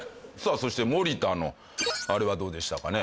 そして森田のあれはどうでしたかね